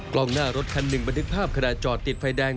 กล้องหน้ารถคันหนึ่งบันทึกภาพขณะจอดติดไฟแดง